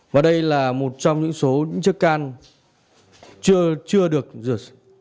và đây là một trong những số chất can chưa được rửa